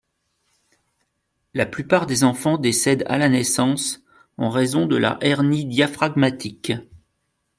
La plupart des enfants décèdent à la naissance, en raison de la hernie diaphragmatique.